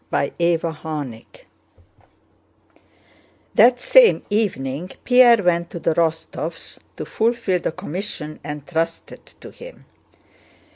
CHAPTER XXII That same evening Pierre went to the Rostóvs' to fulfill the commission entrusted to him.